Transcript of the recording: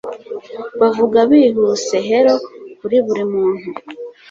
bavuga bihuse helo kuri buri muntu